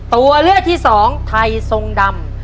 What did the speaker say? ตัวเลือกที่สองไทยทรงดำ